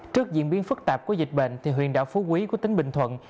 trước diễn biến phức tạp của dịch bệnh thì huyện đảo phú quý của tỉnh bình thuận